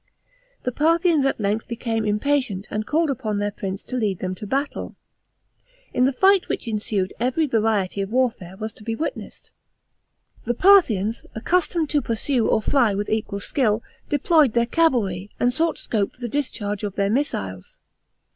The Parthians at length became impatient, and called upon their prince to lead them to battle. In the fight which ensued every variety of warfare was to be witnessed. The Parthians, accustomed to pursue or fly with equal skill, deployed their cavalry and sought scope for the discharge of their missiles.